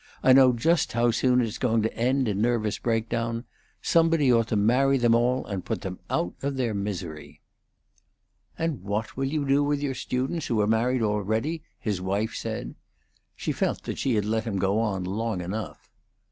I know just how soon it's going to end in nervous breakdown. Somebody ought to marry them all and put them out of their misery." "And what will you do with your students who are married already?" his wife said. She felt that she had let him go on long enough.